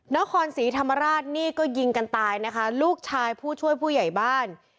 นครศรีธรรมราชนี่ก็ยิงกันตายนะคะลูกชายผู้ช่วยผู้ใหญ่บ้าน